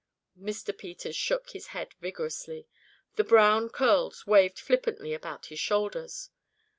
Mr. Peters shook his head vigorously. The brown curls waved flippantly about his shoulders.